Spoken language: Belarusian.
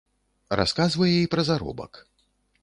Расказвае і пра заробак.